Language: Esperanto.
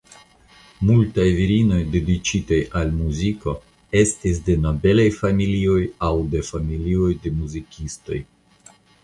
Multaj virinoj dediĉitaj al muziko estis de nobelaj familioj aŭ de familioj de muzikistoj.